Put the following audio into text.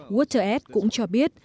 wateredge cũng cho biết